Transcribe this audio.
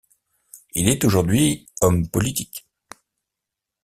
Il est aujourd'hui homme politique.